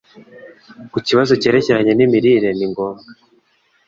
Ku kibazo cyerekeranye n’imirire, ni ngombwa